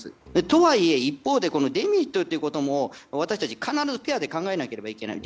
とはいえ、一方でデメリットということも私たち必ずペアで考えなければいけない。